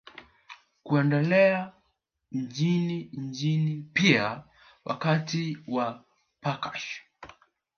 Kuendelea chinichini pia Wakati wa Bargash